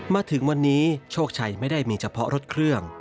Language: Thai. มาถึงวันนี้โชคชัยไม่ได้มีเฉพาะรถเครื่อง